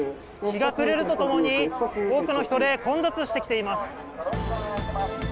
日が暮れるとともに、多くの人で混雑してきています。